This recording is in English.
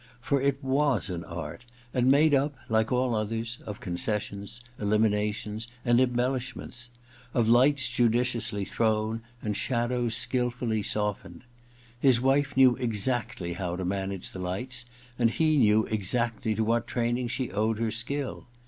For it was an art, and made up, like all others, of concessions, eliminations and embellishments ; of lights judiciously thrown and shadows skil fully softened. His wife knew exactly how to manage the lights, and he knew exactly to what training she owed her skill.